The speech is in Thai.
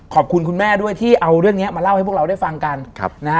คุณแม่ด้วยที่เอาเรื่องนี้มาเล่าให้พวกเราได้ฟังกันนะฮะ